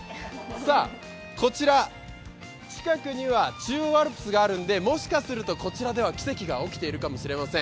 さあ、こちら、近くには中央アルプスがあるのでもしかすると、こちらでは奇跡が起きているかもしれません。